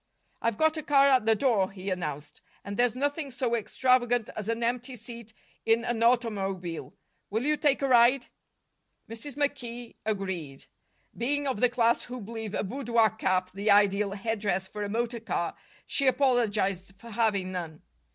"I've got a car at the door," he announced, "and there's nothing so extravagant as an empty seat in an automobile. Will you take a ride?" Mrs. McKee agreed. Being of the class who believe a boudoir cap the ideal headdress for a motor car, she apologized for having none.